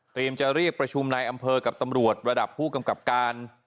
จะเรียกประชุมนายอำเภอกับตำรวจระดับผู้กำกับการ